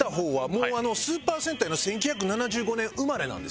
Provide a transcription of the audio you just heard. もうスーパー戦隊の１９７５年生まれなんですよ。